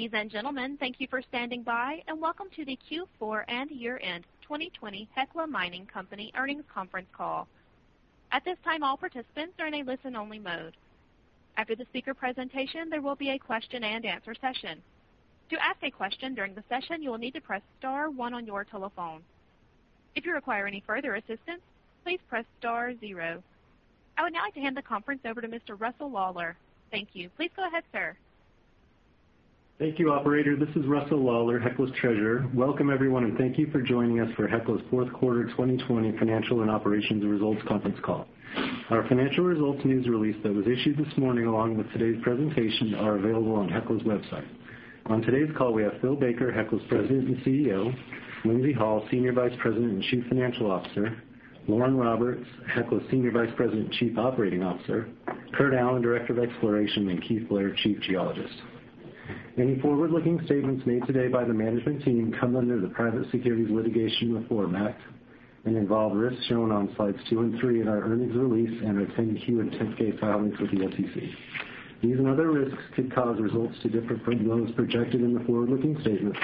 Ladies and gentlemen, thank you for standing by, and welcome to the Q4 and year-end 2020 Hecla Mining Company earnings conference call. At this time, all participants are in a listen-only mode. After the speaker presentation, there will be a question-and-answer session to ask question during the session press star on one your telephone if you require any further assistant press star zero and. I would now like to hand the conference over to Mr. Russell Lawlar. Thank you. Please go ahead, sir. Thank you, operator. This is Russell Lawlar, Hecla's Treasurer. Welcome, everyone, and thank you for joining us for Hecla's fourth quarter 2020 financial and operations results conference call. Our financial results news release that was issued this morning, along with today's presentation, are available on Hecla's website. On today's call, we have Phil Baker, Hecla's President and CEO, Lindsay Hall, Senior Vice President and Chief Financial Officer, Lauren Roberts, Hecla's Senior Vice President and Chief Operating Officer, Kurt Allen, Director of Exploration, and Keith Blair, Chief Geologist. Any forward-looking statements made today by the management team come under the Private Securities Litigation Reform Act and involve risks shown on slides two and three in our earnings release and our 10-Q and 10-K filings with the SEC. These and other risks could cause results to differ from those projected in the forward-looking statements.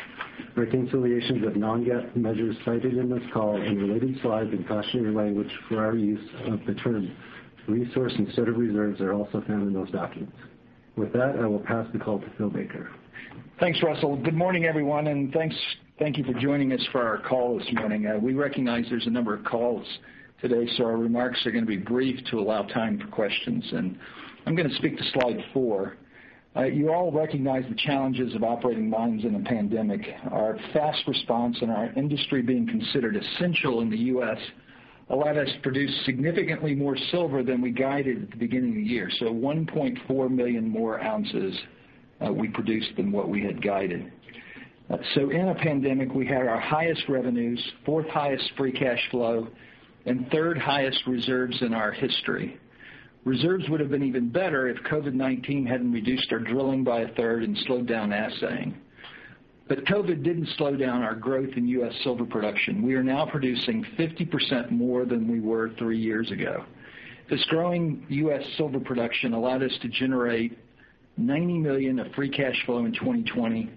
Reconciliations of non-GAAP measures cited in this call and related slides and cautionary language for our use of the term resource instead of reserves are also found in those documents. With that, I will pass the call to Phil Baker. Thanks, Russell. Good morning, everyone, and thank you for joining us for our call this morning. We recognize there's a number of calls today, so our remarks are going to be brief to allow time for questions. I'm going to speak to slide four. You all recognize the challenges of operating mines in a pandemic. Our fast response and our industry being considered essential in the U.S. allowed us to produce significantly more silver than we guided at the beginning of the year. 1.4 million more ounces we produced than what we had guided. In a pandemic, we had our highest revenues, fourth highest free cash flow, and third highest reserves in our history. Reserves would have been even better if COVID-19 hadn't reduced our drilling by a third and slowed down assaying. COVID didn't slow down our growth in U.S. silver production. We are now producing 50% more than we were three years ago. This growing U.S. silver production allowed us to generate $90 million of free cash flow in 2020.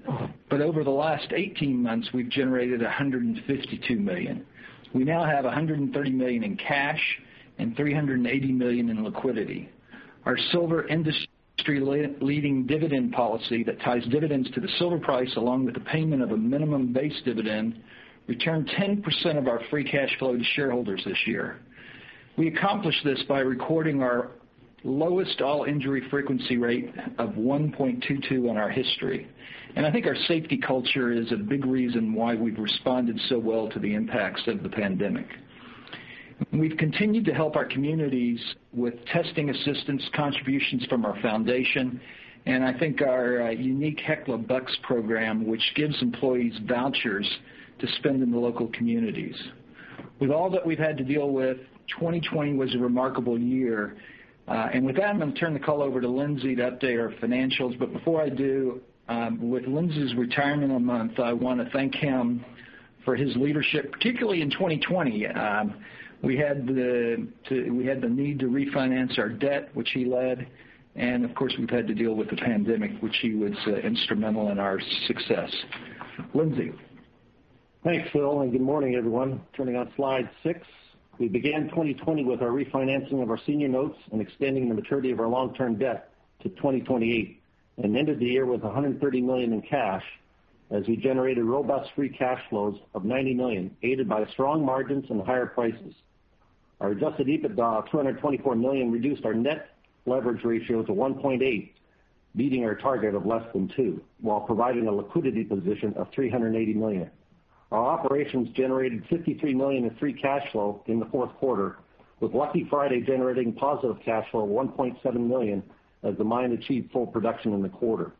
Over the last 18 months, we've generated $152 million. We now have $130 million in cash and $380 million in liquidity. Our silver industry-leading dividend policy that ties dividends to the silver price, along with the payment of a minimum base dividend, returned 10% of our free cash flow to shareholders this year. We accomplished this by recording our lowest all-injury frequency rate of 1.22 in our history. I think our safety culture is a big reason why we've responded so well to the impacts of the pandemic. We've continued to help our communities with testing assistance, contributions from our foundation, and I think our unique Hecla Bucks program, which gives employees vouchers to spend in the local communities. With all that we've had to deal with, 2020 was a remarkable year. With that, I'm going to turn the call over to Lindsay to update our financials. Before I do, with Lindsay's retirement in a month, I want to thank him for his leadership, particularly in 2020. We had the need to refinance our debt, which he led, and of course, we've had to deal with the pandemic, which he was instrumental in our success. Lindsay? Thanks, Phil, good morning, everyone. Turning on slide six. We began 2020 with our refinancing of our senior notes and extending the maturity of our long-term debt to 2028 and ended the year with $130 million in cash as we generated robust free cash flows of $90 million, aided by strong margins and higher prices. Our adjusted EBITDA of $224 million reduced our net leverage ratio to 1.8x, beating our target of less than two, while providing a liquidity position of $380 million. Our operations generated $53 million in free cash flow in the fourth quarter, with Lucky Friday generating positive cash flow of $1.7 million as the mine achieved full production in the quarter.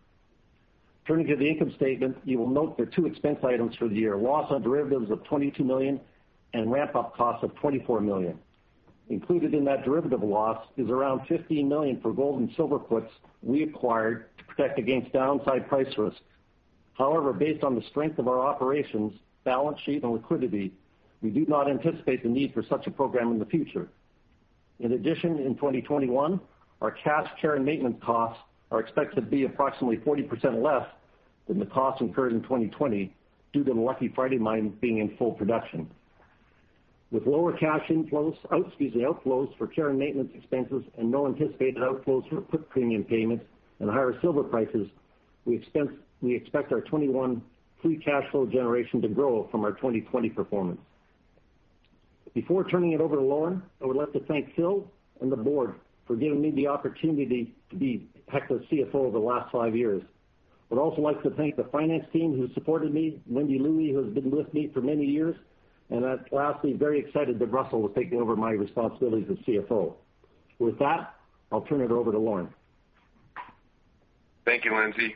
Turning to the income statement. You will note there are two expense items for the year, loss on derivatives of $22 million and ramp-up costs of $24 million. Included in that derivative loss is around $15 million for gold and silver puts we acquired to protect against downside price risks. However, based on the strength of our operations, balance sheet, and liquidity, we do not anticipate the need for such a program in the future. In addition, in 2021, our cash care and maintenance costs are expected to be approximately 40% less than the costs incurred in 2020 due to the Lucky Friday mine being in full production. With lower cash outflows for care and maintenance expenses and no anticipated outflows for put premium payments and higher silver prices, we expect our 2021 free cash flow generation to grow from our 2020 performance. Before turning it over to Lauren, I would like to thank Phil and the board for giving me the opportunity to be Hecla's CFO over the last five years. I would also like to thank the finance team who supported me, Wendy Louie, who has been with me for many years, and lastly, very excited that Russell will take over my responsibilities as CFO. With that, I'll turn it over to Lauren. Thank you, Lindsay.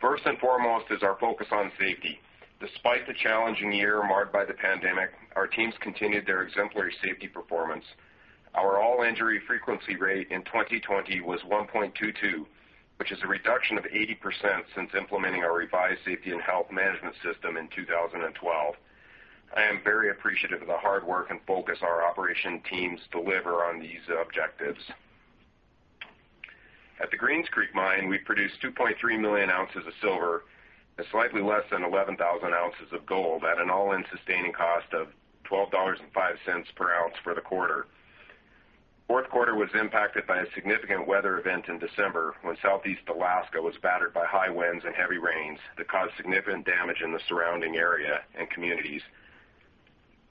First and foremost is our focus on safety. Despite the challenging year marked by the pandemic, our teams continued their exemplary safety performance. Our all-injury frequency rate in 2020 was 1.22, which is a reduction of 80% since implementing our revised safety and health management system in 2012. I am very appreciative of the hard work and focus our operation teams deliver on these objectives. At the Greens Creek mine, we produced 2.3 million ounces of silver and slightly less than 11,000 ounces of gold at an all-in sustaining cost of $12.05 per ounce for the quarter. Fourth quarter was impacted by a significant weather event in December, when Southeast Alaska was battered by high winds and heavy rains that caused significant damage in the surrounding area and communities.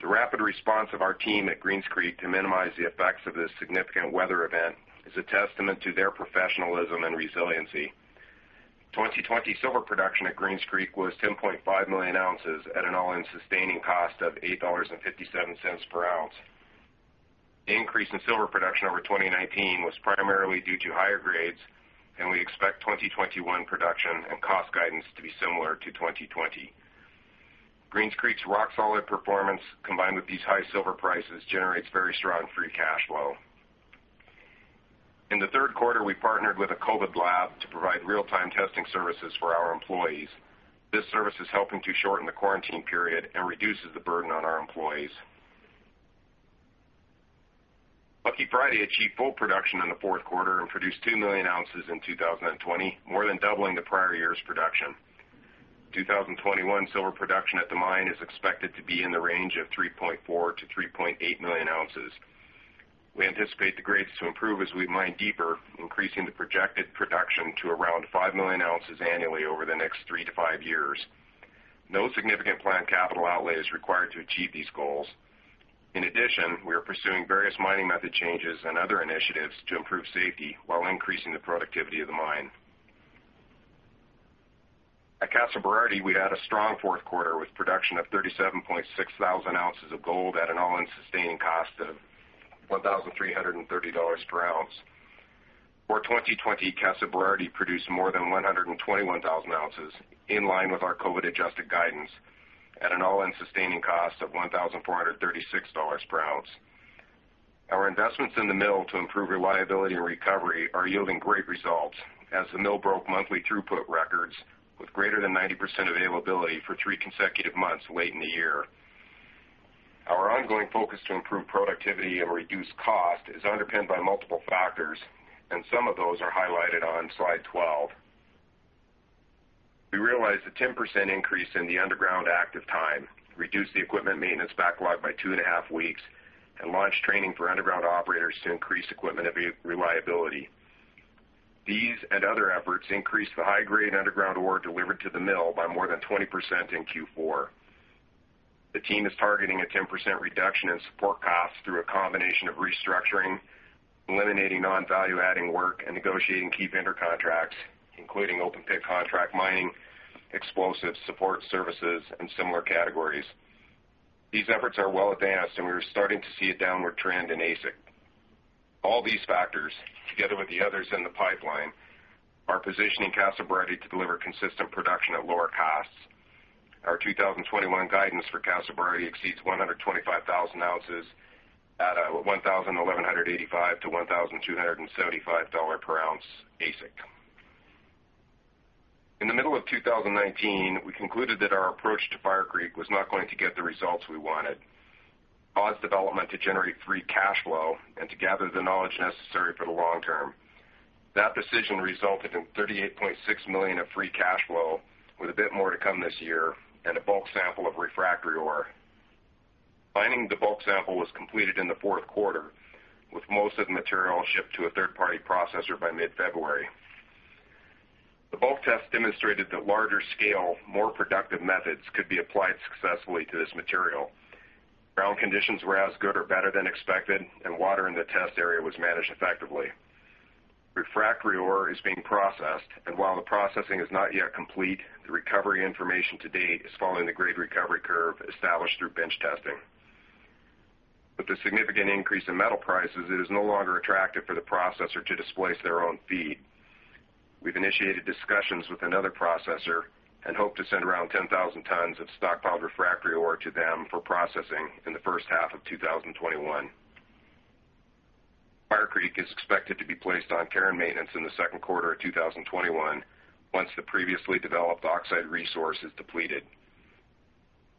The rapid response of our team at Greens Creek to minimize the effects of this significant weather event is a testament to their professionalism and resiliency. 2020 silver production at Greens Creek was 10.5 million ounces at an all-in sustaining cost of $8.57 per ounce. The increase in silver production over 2019 was primarily due to higher grades, and we expect 2021 production and cost guidance to be similar to 2020. Greens Creek's rock-solid performance, combined with these high silver prices, generates very strong free cash flow. In the third quarter, we partnered with a COVID lab to provide real-time testing services for our employees. This service is helping to shorten the quarantine period and reduces the burden on our employees. Lucky Friday achieved full production in the fourth quarter and produced 2 million ounces in 2020, more than doubling the prior year's production. 2021 silver production at the mine is expected to be in the range of 3.4 million-3.8 million ounces. We anticipate the grades to improve as we mine deeper, increasing the projected production to around 5 million ounces annually over the next three to five years. No significant planned capital outlay is required to achieve these goals. In addition, we are pursuing various mining method changes and other initiatives to improve safety while increasing the productivity of the mine. At Casa Berardi, we had a strong fourth quarter with production of 37600 ounces of gold at an all-in sustaining cost of $1,330 per ounce. For 2020, Casa Berardi produced more than 121,000 ounces, in line with our COVID-adjusted guidance, at an all-in sustaining cost of $1,436 per ounce. Our investments in the mill to improve reliability and recovery are yielding great results, as the mill broke monthly throughput records with greater than 90% availability for three consecutive months late in the year. Our ongoing focus to improve productivity and reduce cost is underpinned by multiple factors, and some of those are highlighted on slide 12. We realized a 10% increase in the underground active time, reduced the equipment maintenance backlog by two and a half weeks, and launched training for underground operators to increase equipment reliability. These and other efforts increased the high-grade underground ore delivered to the mill by more than 20% in Q4. The team is targeting a 10% reduction in support costs through a combination of restructuring, eliminating non-value-adding work, and negotiating key vendor contracts, including open pit contract mining, explosives, support services, and similar categories. These efforts are well advanced, and we are starting to see a downward trend in AISC. All these factors, together with the others in the pipeline, are positioning Casa Berardi to deliver consistent production at lower costs. Our 2021 guidance for Casa Berardi exceeds 125,000 ounces at a $1,185-$1,275 per ounce AISC. In the middle of 2019, we concluded that our approach to Fire Creek was not going to get the results we wanted. Pause development to generate free cash flow and to gather the knowledge necessary for the long term. That decision resulted in $38.6 million of free cash flow, with a bit more to come this year, and a bulk sample of refractory ore. Mining the bulk sample was completed in the fourth quarter, with most of the material shipped to a third-party processor by mid-February. The bulk test demonstrated that larger scale, more productive methods could be applied successfully to this material. Ground conditions were as good or better than expected, and water in the test area was managed effectively. Refractory ore is being processed, and while the processing is not yet complete, the recovery information to date is following the grade recovery curve established through bench testing. With the significant increase in metal prices, it is no longer attractive for the processor to displace their own feed. We've initiated discussions with another processor and hope to send around 10,000 tons of stockpiled refractory ore to them for processing in the first half of 2021. Fire Creek is expected to be placed on care and maintenance in the second quarter of 2021, once the previously developed oxide resource is depleted.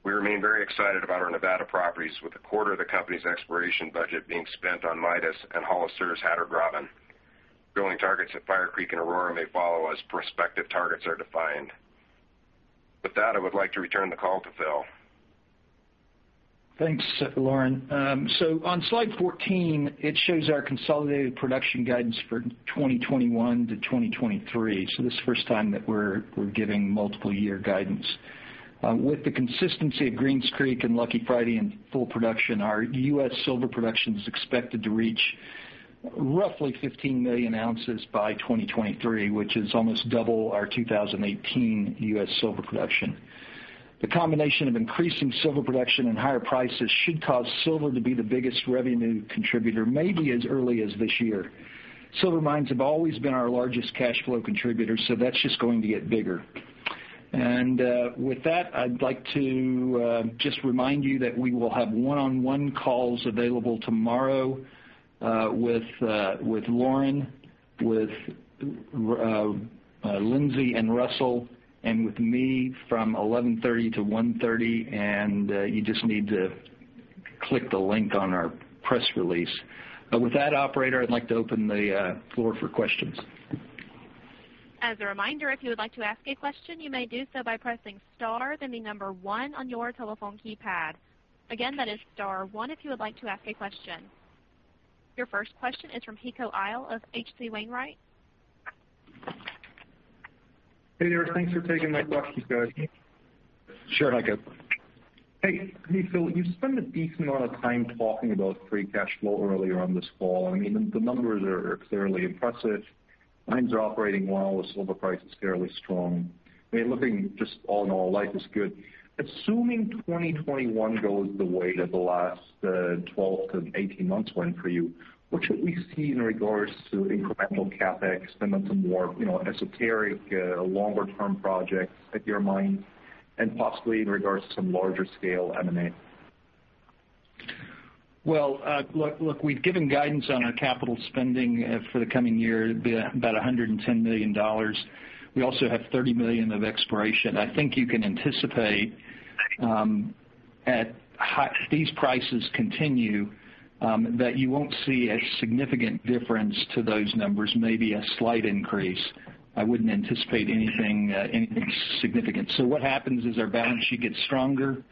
We remain very excited about our Nevada properties, with a quarter of the company's exploration budget being spent on Midas and Hollister's Hatter Graben. Drilling targets at Fire Creek and Aurora may follow as prospective targets are defined. With that, I would like to return the call to Phil. Thanks, Lauren. On slide 14, it shows our consolidated production guidance for 2021-2023. This is the first time that we're giving multiple year guidance. With the consistency of Greens Creek and Lucky Friday in full production, our U.S. silver production is expected to reach roughly 15 million ounces by 2023, which is almost double our 2018 U.S. silver production. The combination of increasing silver production and higher prices should cause silver to be the biggest revenue contributor, maybe as early as this year. Silver mines have always been our largest cash flow contributor, so that's just going to get bigger. With that, I'd like to just remind you that we will have one-on-one calls available tomorrow with Lauren, with Lindsay and Russell, and with me from 11:30 A.M. to 1:30 P.M. You just need to click the link on our press release. With that, operator, I'd like to open the floor for questions. As a reminder, if you would like to ask a question, you may do so by pressing star then the number one on your telephone keypad. Again, that is star one if you would like to ask a question. Your first question is from Heiko Ihle of H.C. Wainwright. Hey there. Thanks for taking my questions, guys. Sure, Heiko. You spent a decent amount of time talking about free cash flow earlier on this call. I mean, the numbers are clearly impressive. Mines are operating well. The silver price is fairly strong. I mean, looking just all in all, life is good. Assuming 2021 goes the way that the last 12 to 18 months went for you, what should we see in regard to incremental CapEx and then some more esoteric, longer term projects at your mine, and possibly in regards to some larger scale M&A? Look, we've given guidance on our capital spending for the coming year, it'd be about $110 million. We also have $30 million of exploration. I think you can anticipate, as these prices continue, that you won't see a significant difference to those numbers, maybe a slight increase. I wouldn't anticipate anything significant. What happens is our balance sheet gets stronger.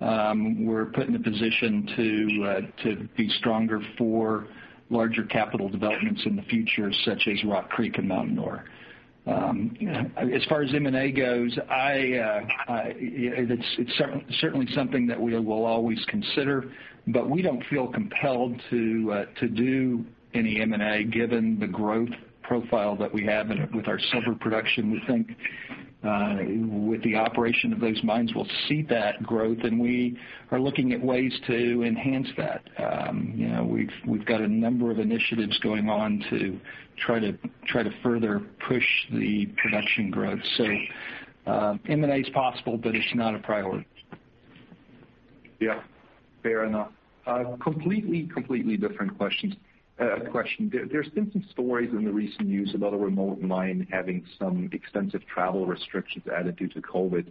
We're put in a position to be stronger for larger capital developments in the future, such as Rock Creek and Montanore. As far as M&A goes, it's certainly something that we will always consider, but we don't feel compelled to do any M&A given the growth profile that we have with our silver production. We think, with the operation of those mines, we'll see that growth, and we are looking at ways to enhance that. We've got a number of initiatives going on to try to further push the production growth. M&A is possible, but it's not a priority. Yeah. Fair enough. Completely different question. There's been some stories in the recent news about a remote mine having some extensive travel restrictions added due to COVID.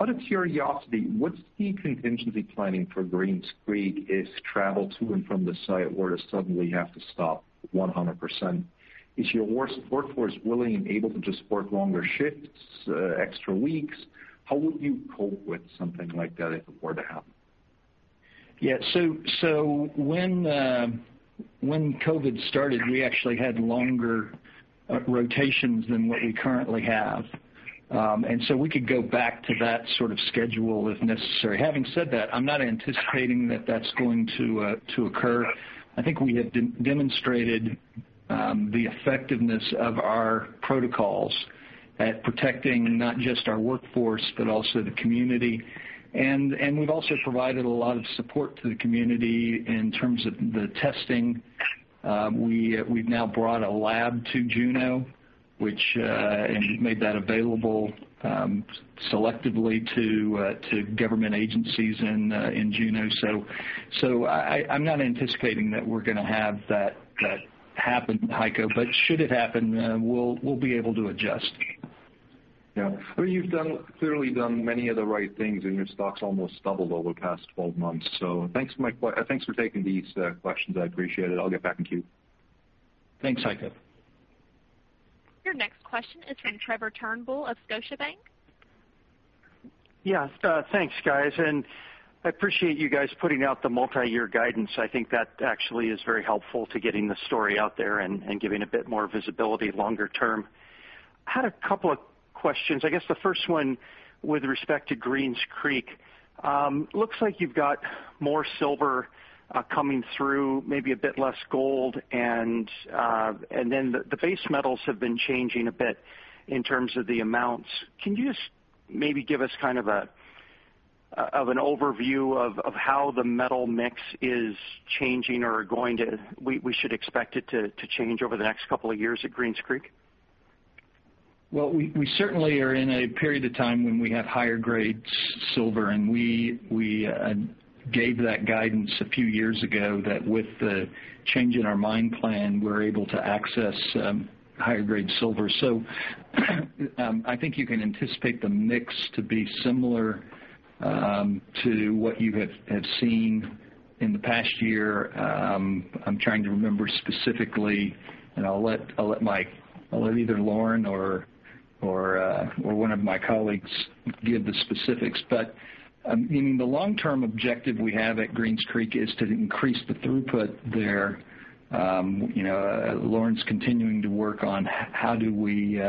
Out of curiosity, what's the contingency planning for Greens Creek if travel to and from the site were to suddenly have to stop 100%? Is your workforce willing and able to just work longer shifts, extra weeks? How would you cope with something like that if it were to happen? Yeah. When COVID started, we actually had longer rotations than what we currently have. We could go back to that sort of schedule if necessary. Having said that, I'm not anticipating that that's going to occur. I think we have demonstrated the effectiveness of our protocols at protecting not just our workforce, but also the community. We've also provided a lot of support to the community in terms of the testing. We've now brought a lab to Juneau, and made that available selectively to government agencies in Juneau. I'm not anticipating that we're going to have that happen, Heiko, but should it happen, we'll be able to adjust. Yeah. Well, you've clearly done many of the right things, and your stock's almost doubled over the past 12 months. Thanks for taking these questions. I appreciate it. I'll get back in queue. Thanks, Heiko. Your next question is from Trevor Turnbull of Scotiabank. Yes, thanks, guys, and I appreciate you guys putting out the multi-year guidance. I think that actually is very helpful to getting the story out there and giving a bit more visibility longer term. Had a couple of questions. I guess the first one, with respect to Greens Creek. Looks like you've got more silver coming through, maybe a bit less gold, and then the base metals have been changing a bit in terms of the amounts. Can you just maybe give us kind of an overview of how the metal mix is changing or we should expect it to change over the next couple of years at Greens Creek? Well, we certainly are in a period of time when we have higher grade silver, and we gave that guidance a few years ago that with the change in our mine plan, we're able to access higher grade silver. I think you can anticipate the mix to be similar to what you have seen in the past year. I'm trying to remember specifically, and I'll let either Lauren or one of my colleagues give the specifics. I mean, the long-term objective we have at Greens Creek is to increase the throughput there. Lauren's continuing to work on how do we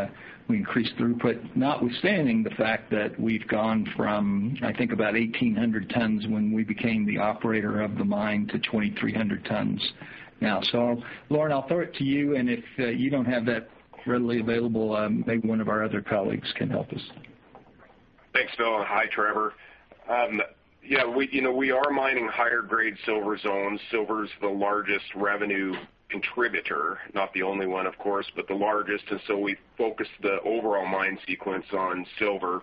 increase throughput, notwithstanding the fact that we've gone from, I think, about 1,800 tons when we became the operator of the mine, to 2,300 tons now. Lauren, I'll throw it to you, and if you don't have that readily available, maybe one of our other colleagues can help us. Thanks, Phil, and hi, Trevor. We are mining higher grade silver zones. Silver is the largest revenue contributor, not the only one, of course, but the largest, and so we focused the overall mine sequence on silver.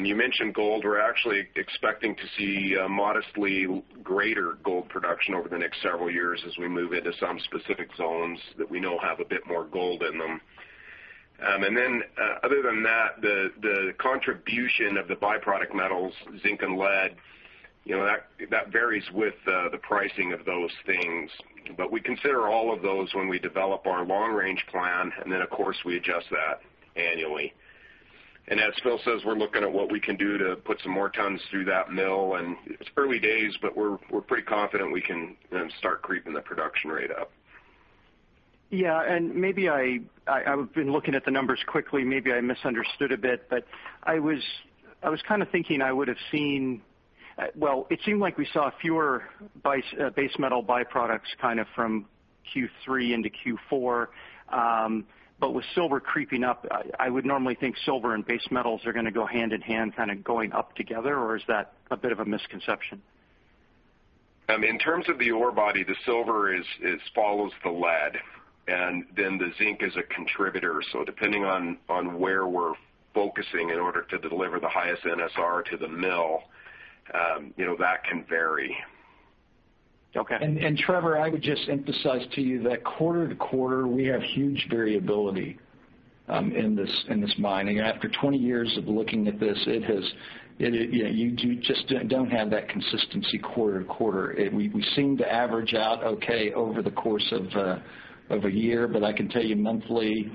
You mentioned gold. We're actually expecting to see modestly greater gold production over the next several years as we move into some specific zones that we know have a bit more gold in them. Other than that, the contribution of the by-product metals, zinc and lead, that varies with the pricing of those things. We consider all of those when we develop our long-range plan, and then, of course, we adjust that annually. As Phil says, we're looking at what we can do to put some more tons through that mill, and it's early days, but we're pretty confident we can start creeping the production rate up. Yeah. Maybe I've been looking at the numbers quickly, maybe I misunderstood a bit, but I was thinking I would've seen Well, it seemed like we saw fewer base metal by-products from Q3 into Q4. With silver creeping up, I would normally think silver and base metals are going to go hand in hand, going up together, or is that a bit of a misconception? In terms of the ore body, the silver follows the lead, and then the zinc is a contributor. Depending on where we're focusing in order to deliver the highest NSR to the mill, that can vary. Okay. Trevor, I would just emphasize to you that quarter-to-quarter, we have huge variability in this mining. After 20 years of looking at this, you just don't have that consistency quarter-to-quarter. We seem to average out okay over the course of a year. I can tell you monthly,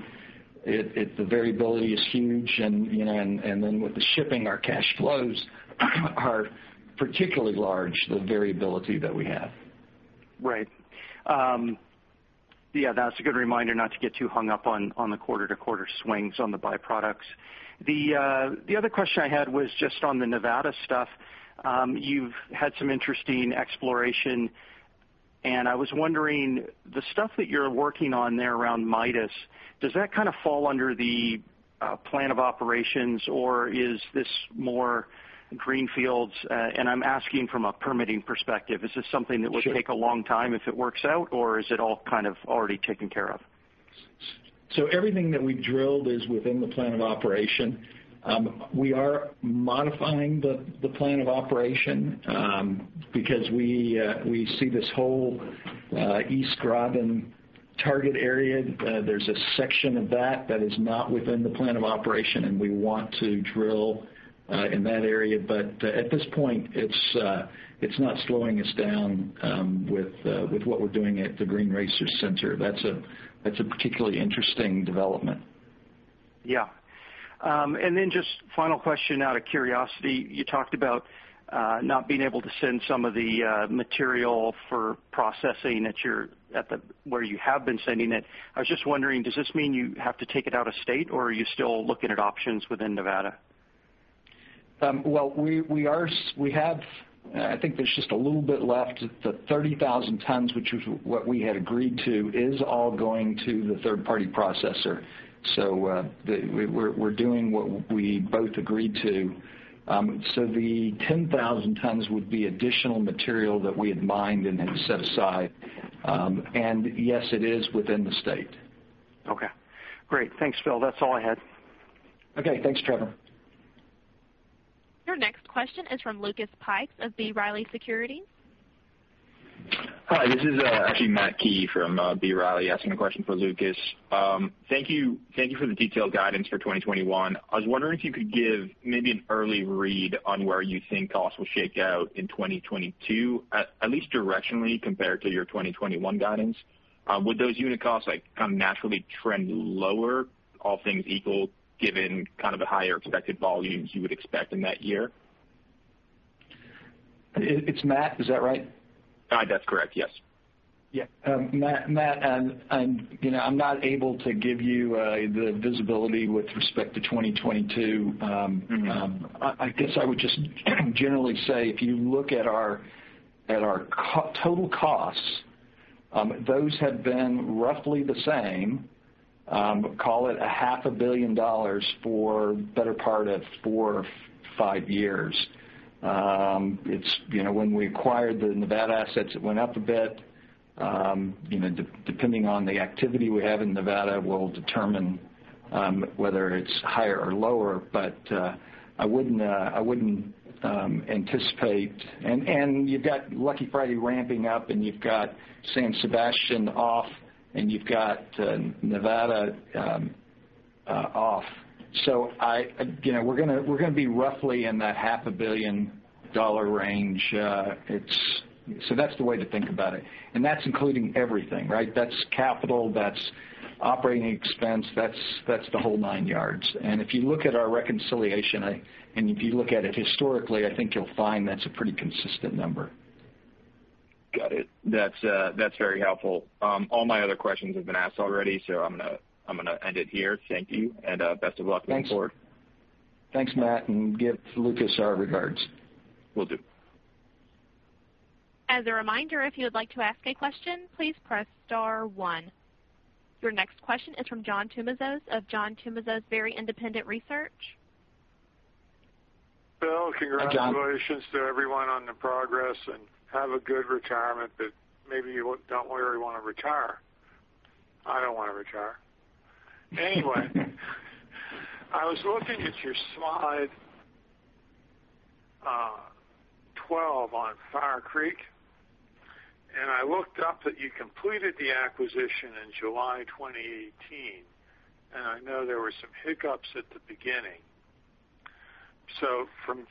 the variability is huge. With the shipping, our cash flows are particularly large, the variability that we have. Right. Yeah, that's a good reminder not to get too hung up on the quarter-to-quarter swings on the by-products. The other question I had was just on the Nevada stuff. You've had some interesting exploration, I was wondering, the stuff that you're working on there around Midas, does that fall under the plan of operations or is this more green fields? I'm asking from a permitting perspective. Is this something that would take a long time if it works out, or is it all already taken care of? Everything that we drilled is within the plan of operation. We are modifying the plan of operation, because we see this whole East Graben target area. There's a section of that is not within the plan of operation, and we want to drill in that area. At this point, it's not slowing us down with what we're doing at the Greens Creek. That's a particularly interesting development. Yeah. Just final question out of curiosity, you talked about not being able to send some of the material for processing where you have been sending it. I was just wondering, does this mean you have to take it out of state, or are you still looking at options within Nevada? Well, I think there's just a little bit left. The 30,000 tons, which was what we had agreed to, is all going to the third-party processor. We're doing what we both agreed to. The 10,000 tons would be additional material that we had mined and had set aside. Yes, it is within the state. Okay. Great. Thanks, Phil. That's all I had. Okay. Thanks, Trevor. Your next question is from Lucas Pipes of B. Riley Securities. Hi, this is actually Matt Key from B. Riley, asking a question for Lucas. Thank you for the detailed guidance for 2021. I was wondering if you could give maybe an early read on where you think costs will shake out in 2022, at least directionally compared to your 2021 guidance. Would those unit costs naturally trend lower, all things equal, given the higher expected volumes you would expect in that year? It's Matt, is that right? That's correct, yes. Yeah. Matt, I'm not able to give you the visibility with respect to 2022. I guess I would just generally say if you look at our total costs, those have been roughly the same. Call it a half a billion dollars for the better part of four or five years. When we acquired the Nevada assets, it went up a bit. Depending on the activity we have in Nevada, will determine whether it's higher or lower. I wouldn't anticipate and you've got Lucky Friday ramping up, and you've got San Sebastian off, and you've got Nevada off. We're going to be roughly in that $500 million range. That's the way to think about it. That's including everything, right? That's capital, that's operating expense, that's the whole nine yards. If you look at our reconciliation, and if you look at it historically, I think you'll find that's a pretty consistent number. Got it. That's very helpful. All my other questions have been asked already, I'm going to end it here. Thank you, best of luck moving forward. Thanks. Thanks, Matt, and give Lucas our regards. Will do. As a reminder, if you would like to ask a question, please press star one. Your next question is from John Tumazos of John Tumazos Very Independent Research. Congratulations to everyone on the progress, and have a good retirement, but maybe you don't really want to retire. I don't want to retire. Anyway, I was looking at your slide 12 on Fire Creek, and I looked up that you completed the acquisition in July 2018, and I know there were some hiccups at the beginning. From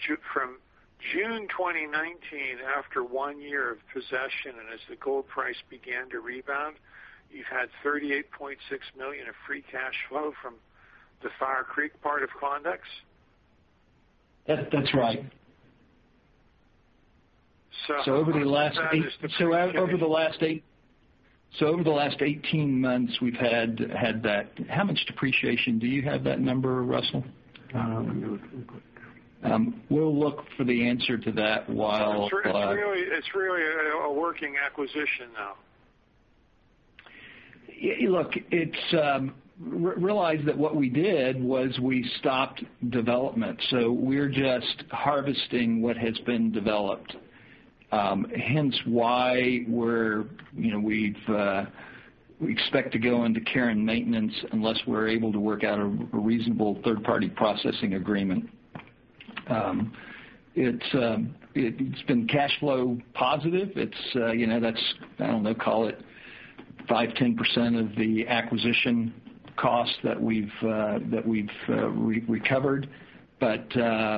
June 2019, after one year of possession and as the gold price began to rebound, you've had $38.6 million of free cash flow from the Fire Creek part of Klondex? That's right. So- Over the last 18 months, we've had that. How much depreciation, do you have that number, Russell? Let me look real quick. We'll look for the answer to that while- It's really a working acquisition now. Look, realize that what we did was we stopped development, so we're just harvesting what has been developed, hence why we expect to go into care and maintenance, unless we're able to work out a reasonable third-party processing agreement. It's been cash flow positive. That's, I don't know, call it 5%, 10% of the acquisition cost that we've recovered. The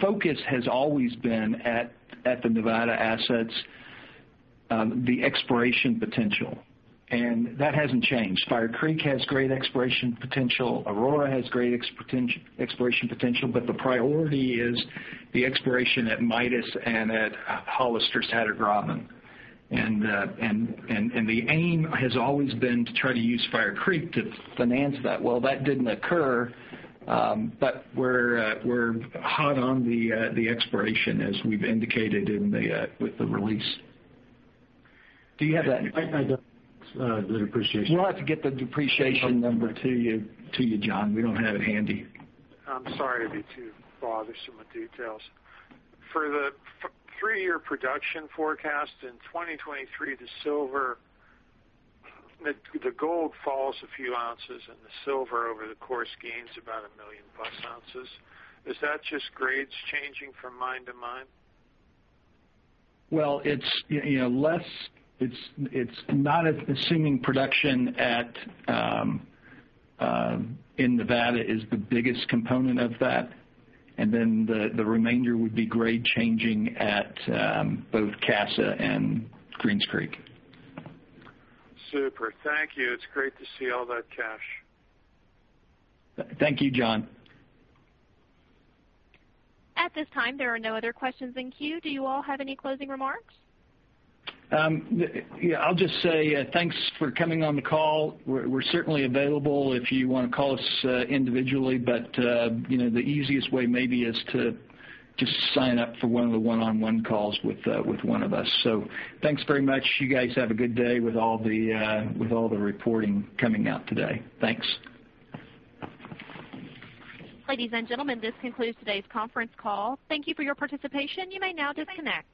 focus has always been, at the Nevada assets, the exploration potential, and that hasn't changed. Fire Creek has great exploration potential. Aurora has great exploration potential. The priority is the exploration at Midas and at Hollister, Hatter Graben. The aim has always been to try to use Fire Creek to finance that. Well, that didn't occur, but we're hot on the exploration, as we've indicated with the release. Do you have that? I don't, the depreciation. We'll have to get the depreciation number to you, John. We don't have it handy. I'm sorry to be too bothersome with details. For the three-year production forecast, in 2023, the gold falls a few ounces, and the silver, over the course, gains about a million-plus ounces. Is that just grades changing from mine to mine? Well, it's not assuming production in Nevada is the biggest component of that. The remainder would be grade changing at both Casa and Greens Creek. Super. Thank you. It's great to see all that cash. Thank you, John. At this time, there are no other questions in queue. Do you all have any closing remarks? I'll just say thanks for coming on the call. We're certainly available if you want to call us individually, but the easiest way may be is to just sign up for one of the one-on-one calls with one of us. Thanks very much. You guys have a good day with all the reporting coming out today. Thanks. Ladies and gentlemen, this concludes today's conference call. Thank you for your participation. You may now disconnect.